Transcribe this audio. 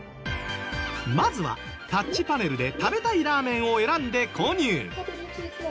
まずはタッチパネルで食べたいラーメンを選んで購入。